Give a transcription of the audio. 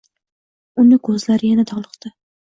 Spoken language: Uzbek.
Uni ko’zlari yana toliqdi.